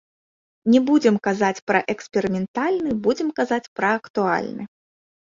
Не будзем казаць пра эксперыментальны, будзем казаць пра актуальны.